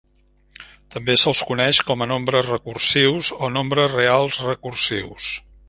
També se'ls coneix com a nombres recursius o nombres reals recursius.